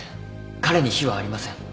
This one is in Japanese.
彼に非はありません